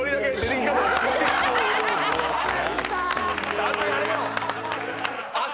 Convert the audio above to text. ちゃんとやれよ！